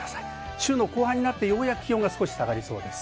週の後半になって、ようやく気温が少し下がりそうです。